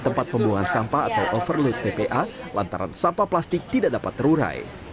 tempat pembuangan sampah atau overload tpa lantaran sampah plastik tidak dapat terurai